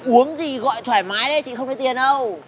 uống gì gọi thoải mái đấy chị không thấy tiền đâu